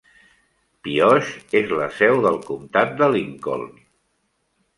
Pioche és la seu del comtat de Lincoln.